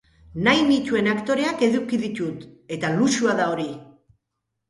Nahi nituen aktoreak eduki ditut, eta luxua da hori.